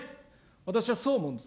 私はそう思うんです。